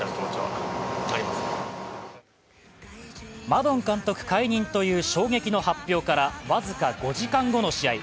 マドン監督解任という衝撃の発表からわずか５時間後の試合。